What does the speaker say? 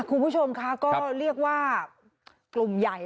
คุณผู้ชมค่ะก็เรียกว่ากลุ่มใหญ่